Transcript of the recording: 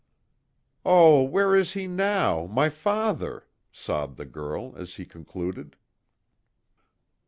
"Oh, where is he now my father?" sobbed the girl, as he concluded.